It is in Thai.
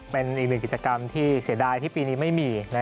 เป็นอีกหนึ่งกิจกรรมที่เสียดายที่ปีนี้ไม่มี